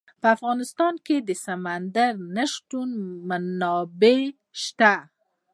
په افغانستان کې د سمندر نه شتون منابع شته.